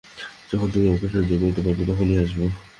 যখন তুমি আমাকে সহ্য করতে পারবে তখনই আসব।